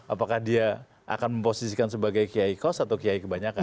apakah dia akan memposisikan sebagai kiai kos atau kiai kebanyakan